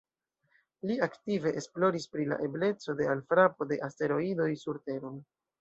Li aktive esploris pri la ebleco de alfrapo de asteroidoj sur Teron.